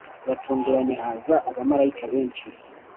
Butunguranye haza abamarayika benshi